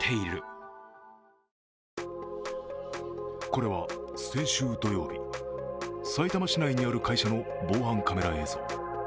これは先週土曜日、さいたま市内にある会社の防犯カメラ映像。